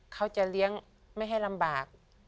เขาจะเลี้ยงไม่ให้ลำบาก